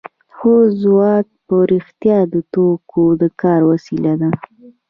هو ځواک په رښتیا د توکو د کار وسیله ده